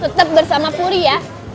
tetap bersama puri ya